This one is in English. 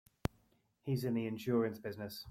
He's in the insurance business.